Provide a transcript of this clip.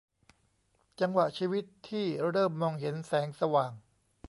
จังหวะชีวิตที่เริ่มมองเห็นแสงสว่าง